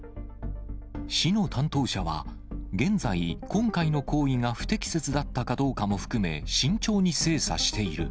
市の担当者は、現在、今回の行為が不適切だったかどうかも含め、慎重に精査している。